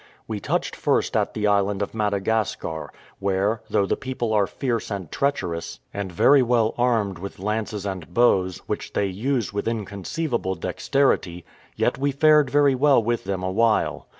We touched first at the island of Madagascar, where, though the people are fierce and treacherous, and very well armed with lances and bows, which they use with inconceivable dexterity, yet we fared very well with them a while.